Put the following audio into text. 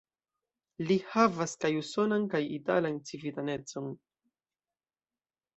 Li havas kaj usonan kaj italan civitanecon.